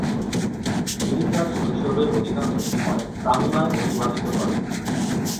তিনি তার শৈশবের অধিকাংশ সময় তাহুনায় অতিবাহিত করেন।